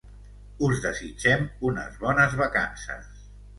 us desitgem unes bones vacances